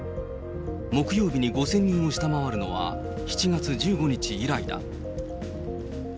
木曜日に５０００人を下回るのは、７月１５日以来だ。